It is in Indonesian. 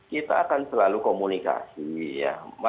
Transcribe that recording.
kita akan selalu komunikasi ya